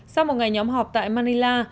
sau một ngày nhóm họp tại manila